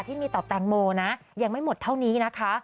ที่มีต่อแตงโมนะยังไม่หมดเท่านี้นะคะ